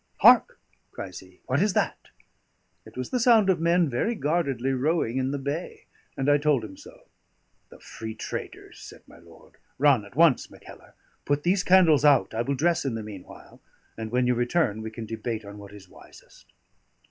Hark!" cries he. "What is that?" It was the sound of men very guardedly rowing in the bay; and I told him so. "The free traders," said my lord. "Run at once, Mackellar; put these candles out. I will dress in the meanwhile; and when you return we can debate on what is wisest."